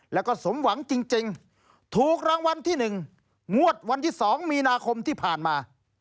แล้วก็สมหวังจริงถูกรางวัลที่๑งวดวันที่๒มีนาคมที่ผ่านมา